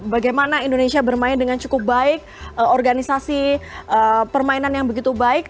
bagaimana indonesia bermain dengan cukup baik organisasi permainan yang begitu baik